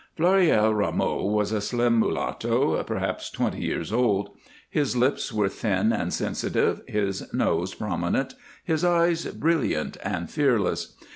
Floréal Rameau was a slim mulatto, perhaps twenty years old; his lips were thin and sensitive, his nose prominent, his eyes brilliant and fearless.